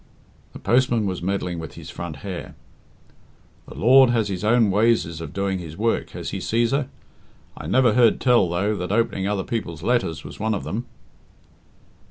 The postman was meddling with his front hair. "The Lord has His own wayses of doing His work, has He, Cæsar? I never heard tell, though, that opening other people's letters was one of them."